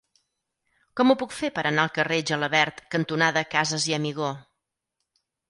Com ho puc fer per anar al carrer Gelabert cantonada Casas i Amigó?